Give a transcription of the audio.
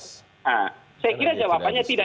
saya kira jawabannya tidak